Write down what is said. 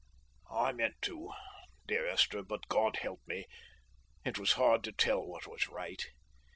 "I meant to, dear Esther, but, God help me, it was hard to tell what was right.